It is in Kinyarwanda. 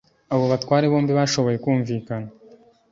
abo batware bombi bashoboye kumvikana